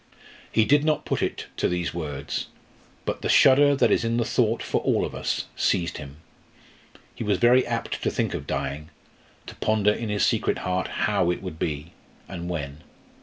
He did not put it to these words, but the shudder that is in the thought for all of us, seized him. He was very apt to think of dying, to ponder in his secret heart how it would be, and when.